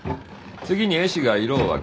次に絵師が色を分ける。